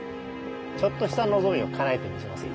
ちょっとした望みをかなえてみせますよ。